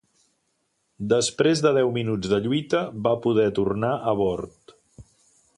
Després de deu minuts de lluita, va poder tornar a bord.